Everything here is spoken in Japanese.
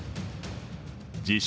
自称